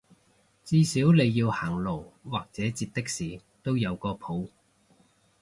至少你要行路或者截的士都有個譜